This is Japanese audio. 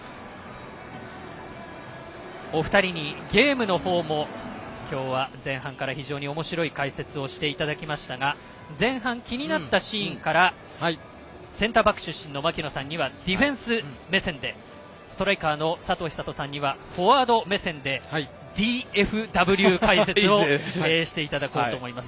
お二人にゲームの方も前半から非常におもしろい解説をしていただきましたが前半の気になったシーンについてセンターバック出身の槙野さんからはディフェンス目線でストライカーの佐藤寿人さんにはフォワード目線でＤＦＷ解説をしていただこうと思います。